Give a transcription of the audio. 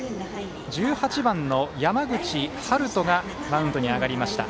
１８番の山口明士がマウンドに上がりました。